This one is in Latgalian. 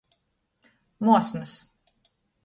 Mosnys.